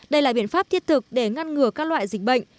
đây là biện pháp thiết thực để ngăn ngừa các loại dịch bệnh